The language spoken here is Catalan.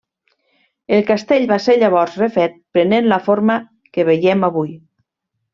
El castell va ser llavors refet, prenent la forma que veiem avui.